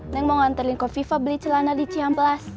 neng mau nganterin ke viva beli celana di ciamplas